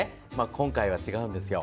今回は違うんですよ。